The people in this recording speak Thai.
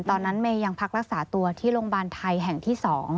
เมย์ยังพักรักษาตัวที่โรงพยาบาลไทยแห่งที่๒